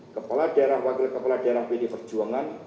kepala daerah wakil kepala daerah pd perjuangan